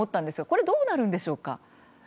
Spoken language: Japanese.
これ、どうなるんでしょうか？